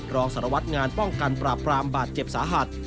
รองสารวัตรงานป้องกันปราบปรามบาดเจ็บสาหัส